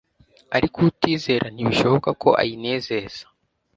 «Ariko utizera ntibishoboka ko ayinezeza,